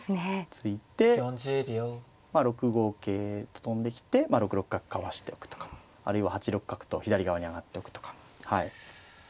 突いて６五桂と跳んできてまあ６六角かわしておくとかあるいは８六角と左側に上がっておくとか。